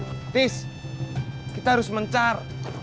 atis kita harus mencar